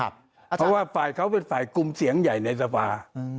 เพราะว่าฝ่ายเขาเป็นฝ่ายกลุ่มเสียงใหญ่ในสภา